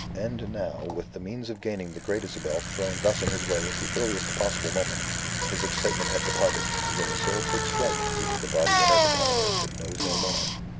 And now, with the means of gaining the Great Isabel thrown thus in his way at the earliest possible moment, his excitement had departed, as when the soul takes flight leaving the body inert upon an earth it knows no more.